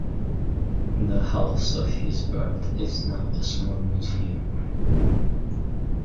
The house of his birth is now a small museum.